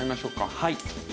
はい。